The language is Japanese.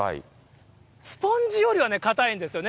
スポンジよりはかたいんですよね。